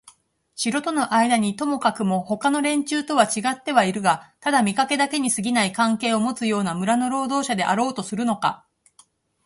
城とのあいだにともかくもほかの連中とはちがってはいるがただ見かけだけにすぎない関係をもつような村の労働者であろうとするのか、